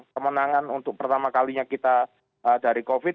kemenangan untuk pertama kalinya kita dari covid